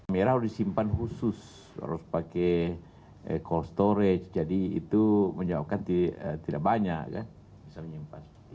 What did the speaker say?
merah harus disimpan khusus harus pakai cold storage jadi itu menjawabkan tidak banyak kan bisa menyimpan